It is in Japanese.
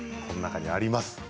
この中にあります